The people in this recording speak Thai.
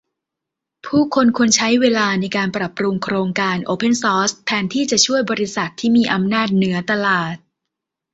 ผู้คนควรใช้เวลาในการปรับปรุงโครงการโอเพนซอร์ซแทนที่จะช่วย บริษัท ที่มีอำนาจเหนือตลาด